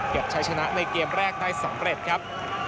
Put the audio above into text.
ใช้ชนะในเกมแรกได้สำเร็จครับ